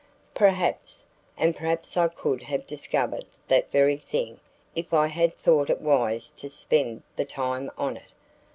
"Perhaps; and perhaps I could have discovered that very thing if I had thought it wise to spend the time on it.